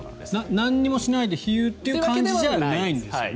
なんにもしないでいるという感じじゃないですよね。